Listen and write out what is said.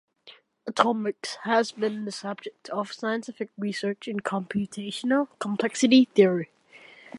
"Atomix" has been the subject of scientific research in computational complexity theory.